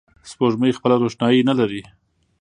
سپوږمۍ خپله روښنایي نه لري